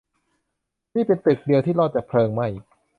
นี่เป็นตึกเดียวที่รอดจากเพลิงไหม้